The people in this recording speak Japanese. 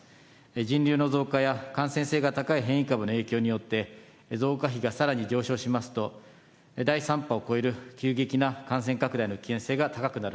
人流の増加や感染性が高い変異株の影響によって、増加比がさらに上昇しますと、第３波を超える急激な感染拡大の危険性が高くなる。